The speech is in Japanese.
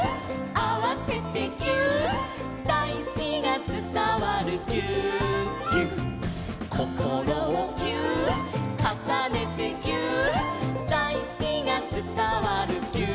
「あわせてぎゅーっ」「だいすきがつたわるぎゅーっぎゅっ」「こころをぎゅーっ」「かさねてぎゅーっ」「だいすきがつたわるぎゅーっぎゅっ」